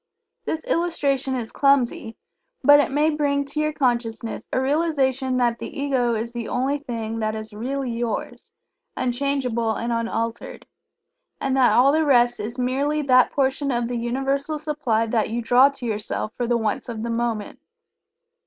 This illustration is clumsy, but it may bring to your consciousness a realization that the Ego is the only thing that is really Yours, unchangeable and unaltered, and that all the rest is merely that portion of the Universal supply that you draw to yourself for the wants of the moment.